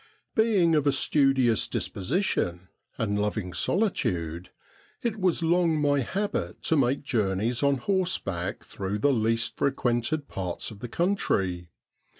Being of a studious disposition, and loving solitude, it was long my habit to make journeys on horseback through the least frequented parts of the country.